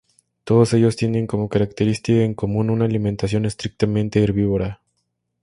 Todos ellos tienen como característica en común una alimentación estrictamente herbívora.